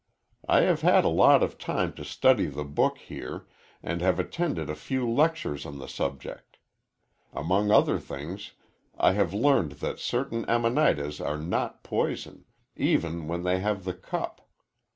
I have had a lot of time to study the book here, and have attended a few lectures on the subject. Among other things I have learned that certain Amanitas are not poison, even when they have the cup.